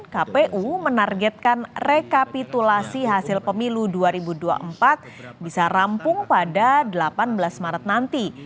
kpu menargetkan rekapitulasi hasil pemilu dua ribu dua puluh empat bisa rampung pada delapan belas maret nanti